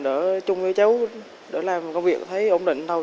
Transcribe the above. để chung với cháu để làm công việc thấy ổn định thôi